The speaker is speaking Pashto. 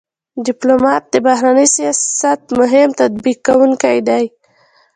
ډيپلومات د بهرني سیاست مهم تطبیق کوونکی دی.